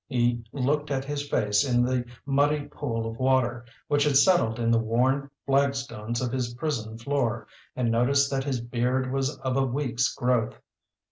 He looked at his face in the muddy pool of water which had settled in the worn flagstones of his prison floor, and noticed that his beard was of a week's growth.